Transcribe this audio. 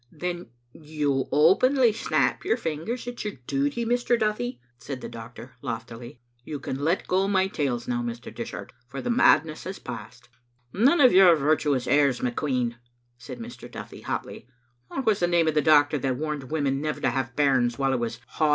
" Then you openly snap your fingers at your duty, Mr. Duthie?" said the doctor, loftily. ("You can let go my tails now, Mr. Dishart, for the madness has passed.") "None of your virtuous airs, McQueen," said Mr. Duthie, hotly. " What was the name of the doctor that warned women never to have bairns while it was hand ing?"